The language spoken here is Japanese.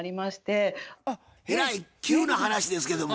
えらい急な話ですけども。